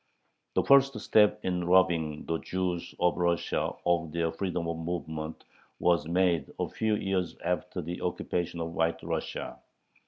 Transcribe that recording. The first step in robbing the Jews of Russia of their freedom of movement was made a few years after the occupation of White Russia.